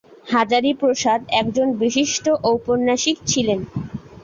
হাজারী প্রসাদ একজন বিশিষ্ট ঔপন্যাসিক ছিলেন।